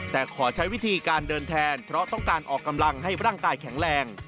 แต่ขอใช้วิธีการเดินแทนเพราะต้องการออกกำลังให้ร่างกายแข็งแรง